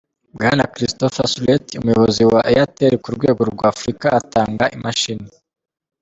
Bwana Christopher Soulet umuyobozi wa Airtel ku rwego rwa Afurika atanga imashini.